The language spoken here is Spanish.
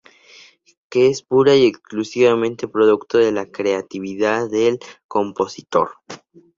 Que es pura y exclusivamente producto de la creatividad del compositor.